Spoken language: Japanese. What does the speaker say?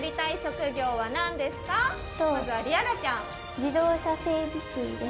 自動車整備士です。